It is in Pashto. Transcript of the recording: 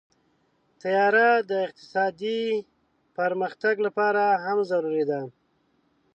طیاره د اقتصادي پرمختګ لپاره هم ضروري ده.